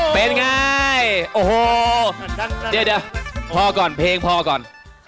เป็นไงโอ้โหเดี๋ยวเพลงพ่อก่อน